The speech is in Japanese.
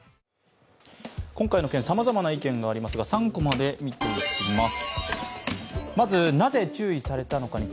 今回の件、さまざまな意見がありますが、３コマで見ていきます。